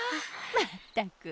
まったく！